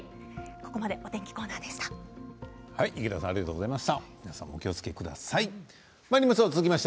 ここまでお天気コーナーでした。